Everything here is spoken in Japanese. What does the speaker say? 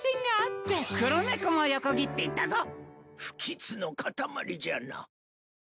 不吉のかたまりじゃな。